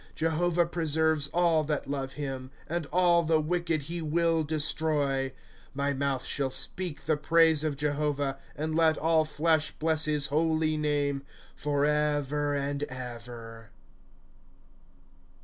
^^ Jehovah preserves all that love him ; And all the wicked he will destroy. ^^ My mouth shall speak the praise of Jehovah ; And let all flesh bless his holy name. Forever and ever.